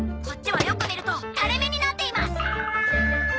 こっちはよく見ると垂れ目になっています。